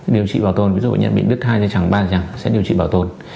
điều trị bảo tồn ví dụ bệnh nhân bị đứt hai dây chẳng ba dây chẳng sẽ điều trị bảo tồn